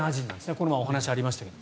この前お話がありましたけど。